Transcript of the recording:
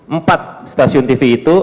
empat stasiun tv itu